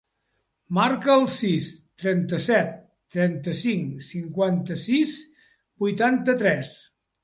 Marca el sis, trenta-set, trenta-cinc, cinquanta-sis, vuitanta-tres.